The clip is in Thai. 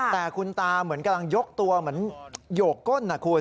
แต่คุณตาเหมือนกำลังยกตัวเหมือนโยกก้นนะคุณ